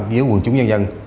giữa quần chúng dân dân